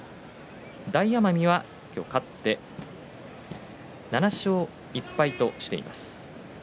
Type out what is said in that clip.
大奄美は今日勝って７勝１敗としています。